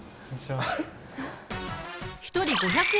一人５００円